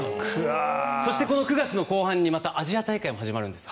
そして、この９月の後半にアジア大会も始まるんです。